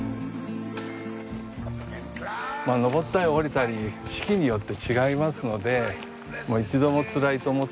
登ったり下りたり四季によって違いますので一度もつらいと思ったこともないですね。